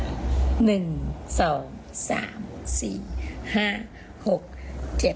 อันนี้๖หมื่นอันนี้๖หมื่น